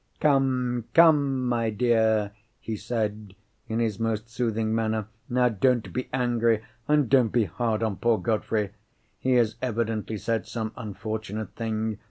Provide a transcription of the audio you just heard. "Come, come, my dear!" he said, in his most soothing manner, "now don't be angry, and don't be hard on poor Godfrey! He has evidently said some unfortunate thing.